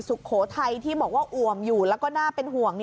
สุโขทัยที่บอกว่าอ่วมอยู่แล้วก็น่าเป็นห่วง